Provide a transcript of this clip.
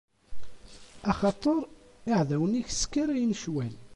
Axaṭer iɛdawen-ik sskarayen ccwal.